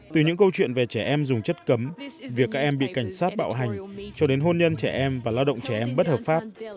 từ những câu chuyện về trẻ em dùng chất cấm việc các em bị cảnh sát bạo hành cho đến hôn nhân trẻ em và lao động trẻ em bất hợp pháp